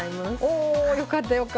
およかったよかった。